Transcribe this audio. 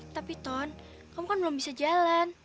tapi ton kamu kan belum bisa jalan